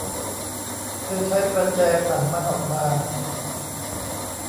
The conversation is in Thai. เธอใช้ประแจขันมันออกมา